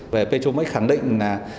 về petromax khẳng định là